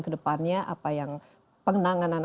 kedepannya apa yang penanganan